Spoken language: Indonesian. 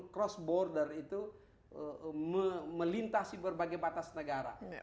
cross border itu melintasi berbagai batas negara